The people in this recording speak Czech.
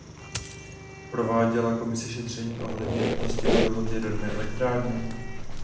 Prováděla Komise šetření ohledně nutnosti budovat jaderné elektrárny?